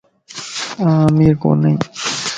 آن امير ڪونئي